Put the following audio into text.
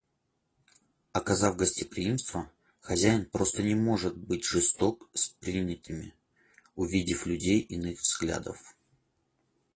Оказав гостеприимство, хозяин просто не может быть жесток с принятыми, увидев людей иных взглядов.